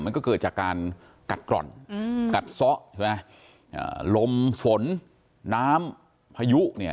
มันก็เกิดจากกัดกร่อนกัดซะลมฝนน้ำพยุ